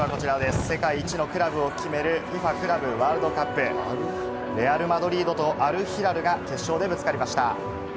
世界一のクラブを決める、ＦＩＦＡクラブワールドカップ、レアル・マドリードとアル・ヒラルが決勝でぶつかりました。